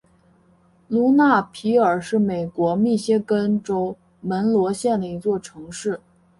卢纳皮尔是美国密歇根州门罗县的一座城市。